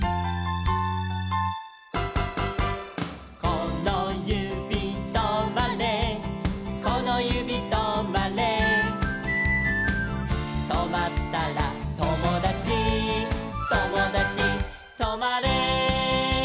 「このゆびとまれこのゆびとまれ」「とまったらともだちともだちとまれ」